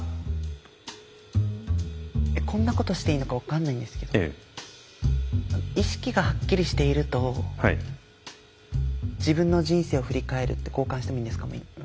えっこんなことしていいのか分かんないんですけど「意識がはっきりしている」と「自分の人生を振り返る」って交換してもいいんですか？